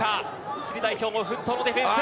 チリ代表も奮闘のディフェンス。